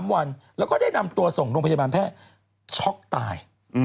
๓วันแล้วก็ได้นำตัวส่งโรงพยาบาลแพทย์ช็อกตาย